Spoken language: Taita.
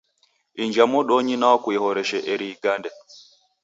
Inja modonyi nwao kuihoreshe eri igande.